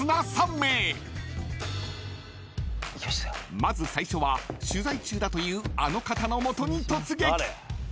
［まず最初は取材中だというあの方のもとに突撃］